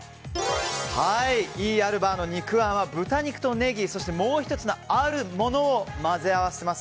イーアルバーの肉あんは豚肉とネギそしてもう１つのあるものを混ぜ合わせます。